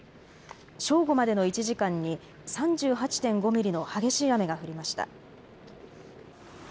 正午までの１時間に３８．５ミリの激しい雨が降りました。